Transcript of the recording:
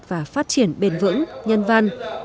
và phát triển bền vững nhân văn